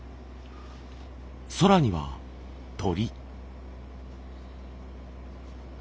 空には鳥。